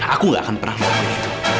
aku gak akan pernah melakukan itu